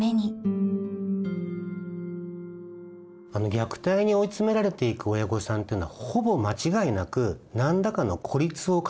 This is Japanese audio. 虐待に追い詰められていく親御さんっていうのはほぼ間違いなく何らかの孤立を感じてるはずなんです。